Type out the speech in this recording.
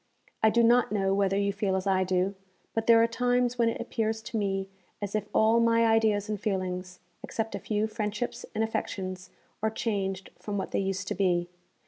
I do not know whether you feel as I do, but there are times when it appears to me as if all my ideas and feelings, except a few friendships and affections, are changed from what they used to be.